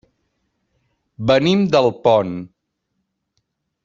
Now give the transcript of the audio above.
Venim d'Alpont.